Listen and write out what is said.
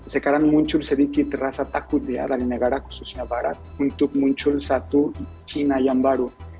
sekarang muncul sedikit rasa takut ya dari negara khususnya barat untuk muncul satu china yang baru